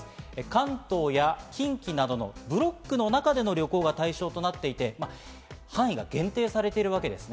関東や近畿などのブロックの中での旅行は対象となっていて、範囲が限定されてるわけです。